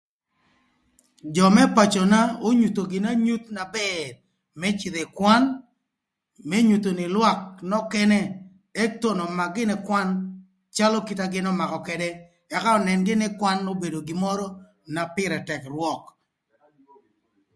Jö më pacöna onyutho gïnï anyuth na bër më cïdhï ï kwan më nyutho nï lwak nökënë ëk thon ömak gïnï kwan calö kit a gïn ömakö ködë ëka önën gïnï nï kwan obedo gin mörö na pïrë tëk rwök